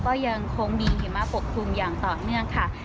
ก็ยังคงมีหิมะปกคลุมอย่างต่อเนื่องค่ะ